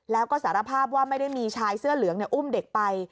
แล้วก็สารภาพว่าไม่ได้มีชายเสื้อเหลืองอุ้มเด็กไป